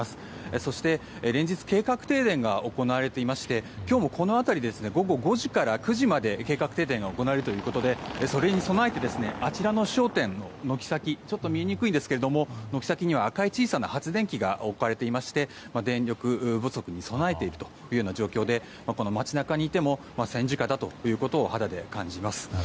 そして、連日計画停電が行われていまして今日もこの辺りで午後５時から９時まで計画停電が行われるということでそれに備えてあちらの商店の軒先ちょっと見えにくいんですが軒先には赤い小さな発電機が置かれていまして電力不足に備えているという状況で街中にいても戦時下だということを肌で感じます。